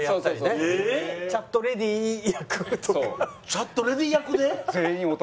チャットレディ役で？